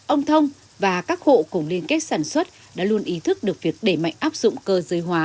ông thông và các hộ cùng liên kết sản xuất đã luôn ý thức được việc để mạnh áp dụng cơ giới hóa